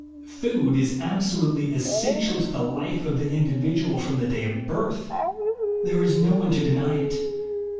Food is absolutely essential to the life of the individual, from the day of birth. There is no one to deny it.